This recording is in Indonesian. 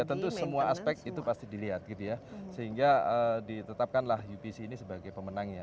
ya tentu semua aspek itu pasti dilihat gitu ya sehingga ditetapkanlah upc ini sebagai pemenangnya